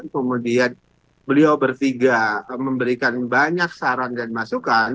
kemudian beliau bertiga memberikan banyak saran dan masukan